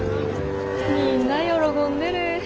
みんな喜んでる。